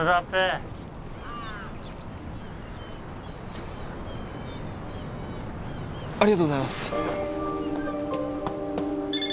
っぺありがとうございます！